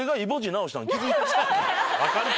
分かるか！